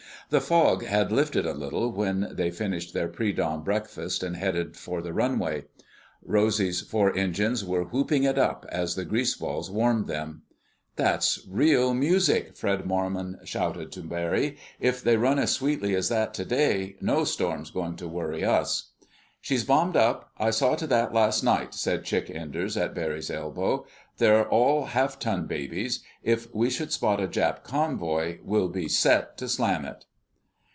The fog had lifted a little when they finished their pre dawn breakfast and headed for the runway. Rosy's four engines were whooping it up as the greaseballs warmed them. "That's real music!" Fred Marmon shouted to Barry. "If they run as sweetly as that today, no storm's going to worry us." "She's bombed up. I saw to that last night," said Chick Enders at Barry's elbow. "They're all half ton babies. If we should spot a Jap convoy, we'll be set to slam it."